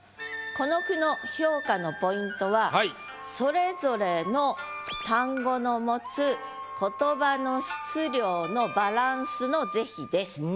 この句の評価のポイントはそれぞれの単語の持つ言葉の質量のバランスの是非です。